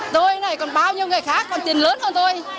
tôi này còn bao nhiêu người khác còn tiền lớn hơn thôi